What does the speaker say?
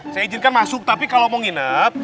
saya izinkan masuk tapi kalau mau nginep